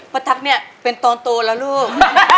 ทักเนี่ยเป็นตอนโตแล้วลูก